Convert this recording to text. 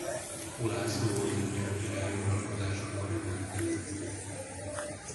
Ulászló lengyel király uralkodásakor emeltek.